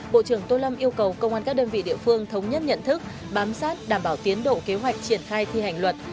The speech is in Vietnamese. bộ trưởng tô lâm yêu cầu công an các đơn vị địa phương thống nhất nhận thức bám sát đảm bảo tiến độ kế hoạch triển khai thi hành luật